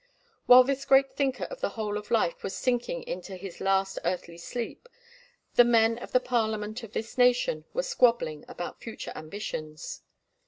While this great thinker of the whole of life was sinking into his last earthly sleep, the men in the parliament of his nation were squabbling about future ambitions.